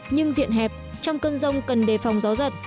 nhưng diện hẹp trong cơn rông cần đề phòng gió giật